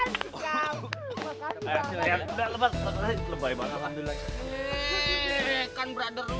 kan brother lu lagi seneng banget